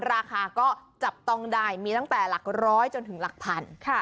ราคาก็จับต้องได้มีตั้งแต่หลักร้อยจนถึงหลักพัน